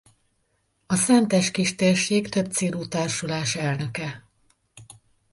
A Szentes Kistérség Többcélú Társulás elnöke.